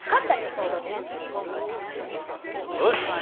総取りねおし！